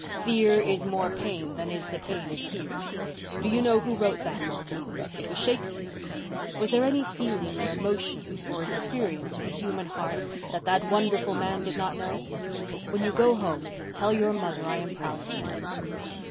'Fear is more pain than is the pain it fears.' Do you know who wrote that, Walter? It was Shakespeare. Was there any feeling or emotion or experience of the human heart that that wonderful man did not know? When you go home tell your mother I am proud of you."